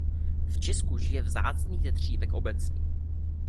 V Česku žije vzácný tetřívek obecný.